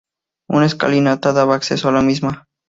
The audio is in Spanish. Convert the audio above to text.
Una escalinata daba acceso a la misma.